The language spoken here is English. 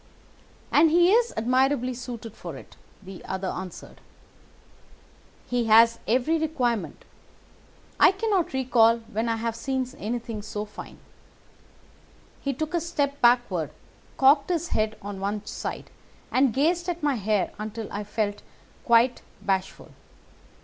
"'And he is admirably suited for it,' the other answered. 'He has every requirement. I cannot recall when I have seen anything so fine.' He took a step backward, cocked his head on one side, and gazed at my hair until I felt quite bashful.